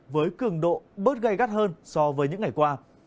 với cường độ bớt gây gắt hơn so với những ngày qua